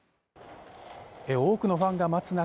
多くのファンが待つ中